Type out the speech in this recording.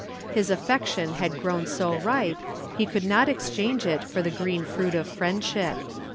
His affection had grown so ripe, he could not exchange it for the green fruit of friendship.